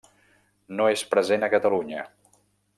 No és present a Catalunya.